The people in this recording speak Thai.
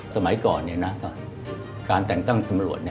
สมัยก่อนการแต่งตั้งตำรวจ